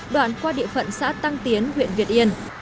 đoạn qua địa phận xã tăng tiến huyện việt yên